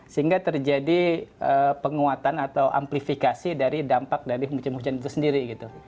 sehingga terjadi penguatan atau amplifikasi dari dampak dari musim hujan itu sendiri gitu